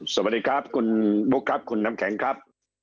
สวัสดีครับคุณบุ๊คครับคุณน้ำแข็งครับ